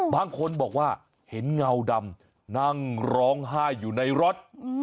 บางคนบอกว่าเห็นเงาดำนั่งร้องไห้อยู่ในรถ